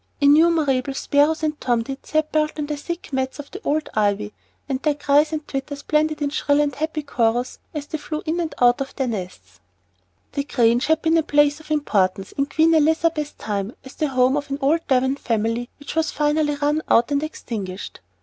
Innumerable sparrows and tomtits had built in the thick mats of the old ivy, and their cries and twitters blended in shrill and happy chorus as they flew in and out of their nests. The Grange had been a place of importance, in Queen Elizabeth's time, as the home of an old Devon family which was finally run out and extinguished.